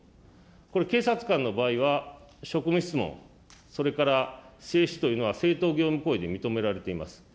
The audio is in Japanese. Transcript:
これ警察官の場合は職務質問、それから制止というのは正当業務行為で認められています。